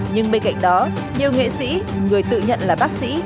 nhưng bên cạnh đó nhiều nghệ sĩ người tự nhận là bác sĩ